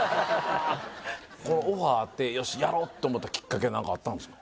オファーあってよしやろうと思ったきっかけは何かあったんですか？